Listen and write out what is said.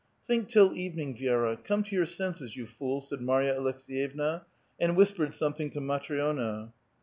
"Think till evening, Viera. Come to your senses, you fool !" said Marya Alekseyevna, and whispered something to Matri6na.